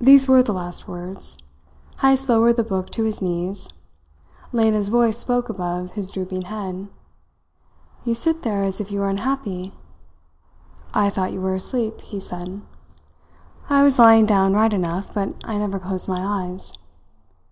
These were the last words. Heyst lowered the book to his knees. Lena's voice spoke above his drooping head: "You sit there as if you were unhappy." "I thought you were asleep," he said. "I was lying down right enough, but I never closed my eyes."